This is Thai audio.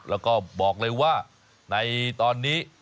แล้วก็บอกเลยว่าในตอนนี้